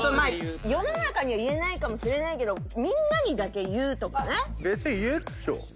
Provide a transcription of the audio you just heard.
世の中には言えないかもしれないけどみんなにだけ言うとかね。